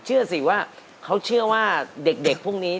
เชื่อสิว่าเขาเชื่อว่าเด็กพวกนี้